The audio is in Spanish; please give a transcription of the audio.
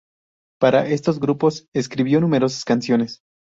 Para estos grupos escribió numerosas canciones.